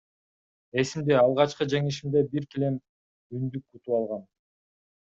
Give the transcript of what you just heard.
Эсимде, алгачкы жеңишимде бир килем, үндүк утуп алгам.